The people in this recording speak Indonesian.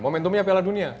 momentumnya piala dunia